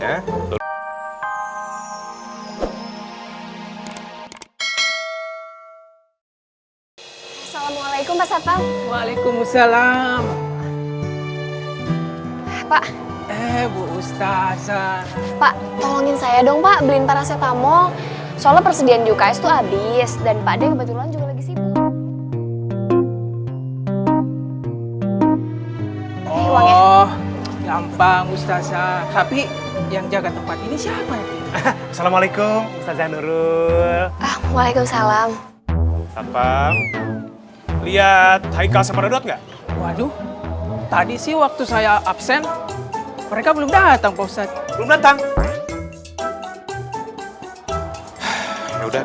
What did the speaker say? assalamualaikum warahmatullahi wabarakatuh